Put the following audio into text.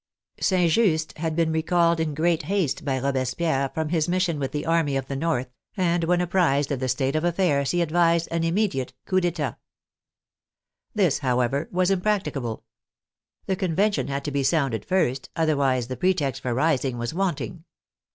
St. Just had been recalled in great haste by Robes pierre from his mission with the army of the North, and when apprised of the state of affairs he advised an immediate coup d'etat. This, however, was impractic able. The Convention had to be sounded first, otherwise the pretext for rising was wanting.